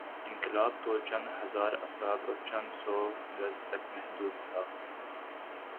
انقلاب توچند ہزارافراد اور چندسو گز تک محدود تھا۔